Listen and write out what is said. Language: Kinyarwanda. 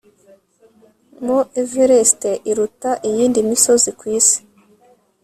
mt everest iruta iyindi misozi kwisi